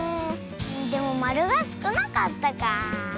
でもまるがすくなかったかあ。